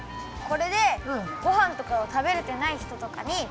これでごはんとかを食べれてないひととかに。